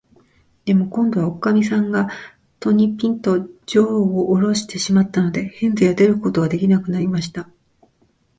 でも、こんどは、おかみさんが戸に、ぴんと、じょうをおろしてしまったので、ヘンゼルは出ることができなくなりました。